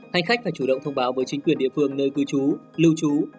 hành khách phải chủ động thông báo với chính quyền địa phương nơi cư trú lưu trú